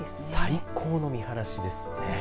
最高の見晴らしですね。